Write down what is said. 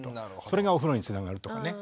それがお風呂につながるとかね。